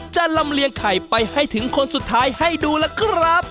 ลำเลียงไข่ไปให้ถึงคนสุดท้ายให้ดูล่ะครับ